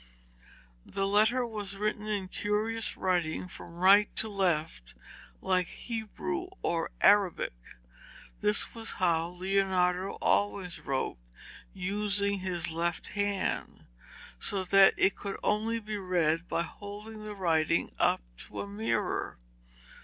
The letter was written in curious writing from right to left like Hebrew or Arabic. This was how Leonardo always wrote, using his left hand, so that it could only be read by holding the writing up to a mirror.